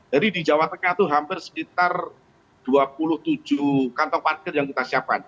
jadi di jawa tengah itu hampir sekitar dua puluh tujuh kantong parkir yang kita siapkan